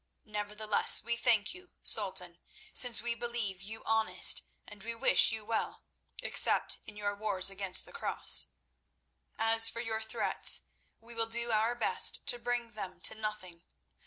Nevertheless, we thank you, Sultan, since we believe you honest, and we wish you well, except in your wars against the Cross. As for your threats, we will do our best to bring them to nothing.